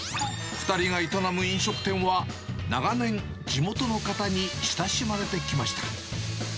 ２人が営む飲食店は、長年、地元の方に親しまれてきました。